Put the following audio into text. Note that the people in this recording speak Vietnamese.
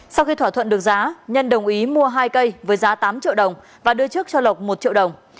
sau khi thỏa thuận được giá nhân đồng ý mua hai cây với giá tám triệu đồng và đưa trước cho lộc một triệu đồng